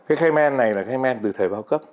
cái cayman này là cayman từ thời bao cấp